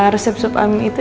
resep sup ayam itu